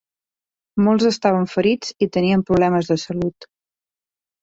Molts estaven ferits i tenien problemes de salut.